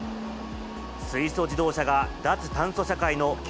水素自動車が脱炭素社会の救